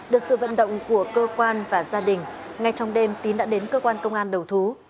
được sự vận động của cơ quan và gia đình ngay trong đêm tín đã đến cơ quan công an đầu thú